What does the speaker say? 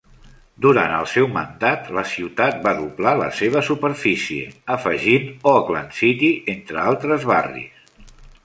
Durant el seu mandat, la ciutat va doblar la seva superfície, afegint Oakland City entre altres barris.